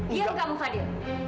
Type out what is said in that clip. diam kamu fadil